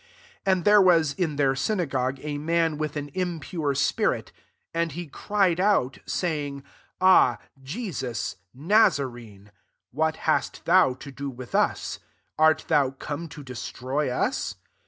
23 And there was in their synagogue a man with an impure spirit; and he cried out, saying, 24 « [Ah I] Jesus ! Nazarene ! what hast thou to do with us ? art thou come to destroy us